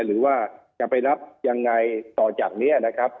หรือว่าจะไปรับยังไงต่อจากนี้นะครับ